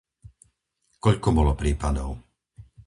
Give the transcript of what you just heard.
Koľko bolo prípadov?